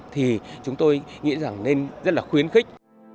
thì chúng tôi nghĩ rằng nên rất là khuyến khích